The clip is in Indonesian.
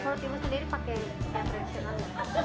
kalau timur sendiri pakai yang tradisional